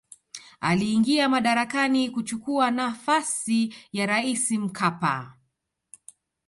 aliingia madarakani kuchukua nafasi ya raisi mkapa